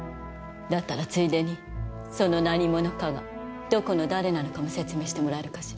だったらついでにその何者かがどこの誰なのかも説明してもらえるかしら。